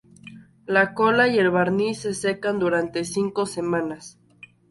La cola y el barniz se secan durante cinco semanas.